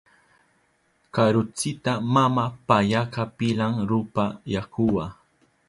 Karuntsita mama payaka pilan rupa yakuwa.